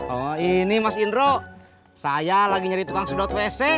oh ini mas indro saya lagi nyari tukang sedot wc